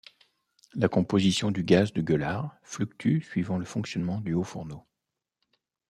La composition du gaz de gueulard fluctue suivant le fonctionnement du haut fourneau.